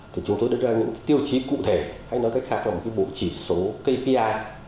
thì chúng tôi đưa ra những tiêu chí cụ thể hay nói cách khác trong một bộ chỉ số kpi